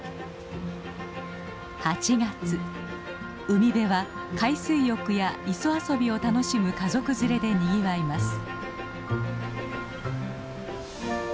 海辺は海水浴や磯遊びを楽しむ家族連れでにぎわいます。